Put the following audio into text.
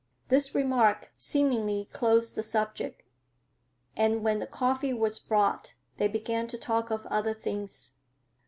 This remark seemingly closed the subject, and when the coffee was brought they began to talk of other things.